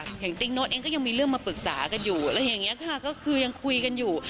อย่างติ๊งโน๊ตเองก็ยังมีเรื่องมาปรึกษากันอยู่อะไรอย่างนี้ค่ะก็คือยังคุยกันอยู่